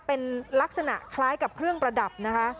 เป็นลักษณะคล้ายกับเครื่องประดับนะคะ